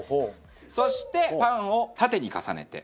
そしてパンを縦に重ねて。